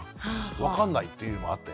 分かんないっていうのもあって。